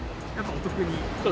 お得に。